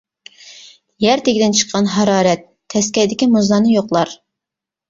يەر تېگىدىن چىققان ھارارەت، تەسكەيدىكى مۇزلارنى يۇقلار.